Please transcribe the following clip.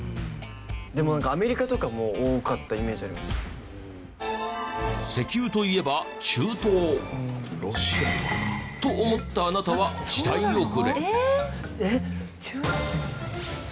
でもなんかアメリカとかも多かったイメージあります。と思ったあなたは時代遅れ。